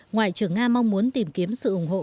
ngoại trưởng nga mong muốn tìm kiếm sự ủng hộ